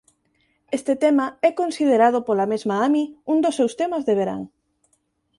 Este tema é considerado pola mesma Ami un dos seus temas de verán.